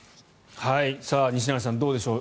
西成さん、どうでしょう。